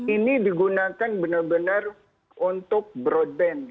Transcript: ini digunakan benar benar untuk broadband